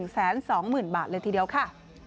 ๑แสน๒หมื่นบาทเลยทีเดียวค่ะ